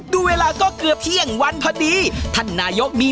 ดูเวลาก็เกือบเที่ยงวันพอดี